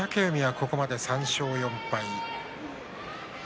ここまで３勝４敗です。